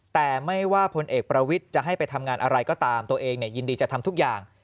แต่ไม่ว่าพลเอกประวิทย์จะให้ไปทำงานอะไรก็ตามตัวเองยินดีจะทำทุกอย่าง